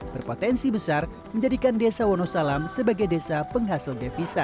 berpotensi besar menjadikan desa wonosalam sebagai desa penghasil devisa